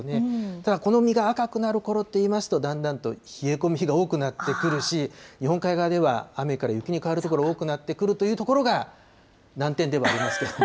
ただ、この実が赤くなるころっていいますと、だんだんと冷え込む日が多くなってくるし、日本海側では雨から雪に変わる所が多くなってくるという所がなんてんではありますけれども。